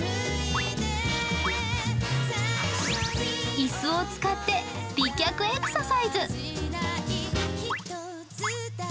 椅子を使って、美脚エクササイズ。